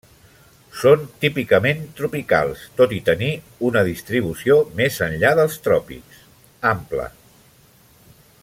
Són típicament tropicals tot i tenir una distribució més enllà dels tròpics, ampla.